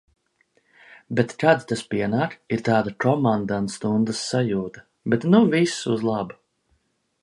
Bet kad tas pienāk, ir tāda komandantstundas sajūta. Bet nu viss uz labu.